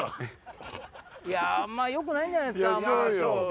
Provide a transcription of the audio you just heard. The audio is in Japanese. あんまよくないんじゃないっすか？